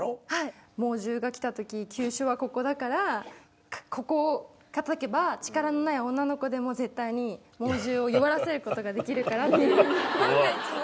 猛獣が来たとき急所はここだからここをたたけば力のない女の子でも絶対に猛獣を弱らせることができるからっていう万が一の。